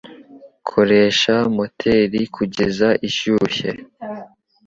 Koresha moteri kugeza ishyushye.